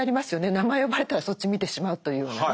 名前呼ばれたらそっち見てしまうというふうなね。